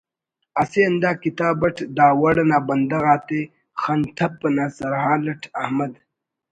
اسے ہندا کتاب it the وڑ انا بندغ آتے ”خن ٹپ“ نا سرحال اٹ احمد